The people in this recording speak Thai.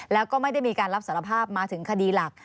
แล้วก็ไม่ได้มีการรับสารภาพมาถึงคดีหลัก